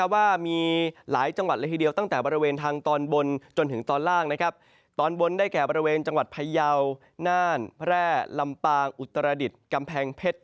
ว่ามีหลายจังหวัดหลายเดียวตั้งแต่บริเวณทางตอนบนต่อหลังนะครับตอนบนได้แก่บริเวณจังหวัดภายาวน่านแไหล่ลำป่าอุตรดิตกำแพงเพชร